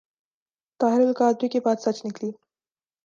طاہر القادری کی بات سچ نکلی ۔